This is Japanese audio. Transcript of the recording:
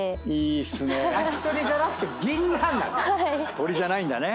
鶏じゃないんだね。